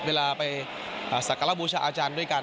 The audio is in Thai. เวลาไปสักการะบูชาอาจารย์ด้วยกัน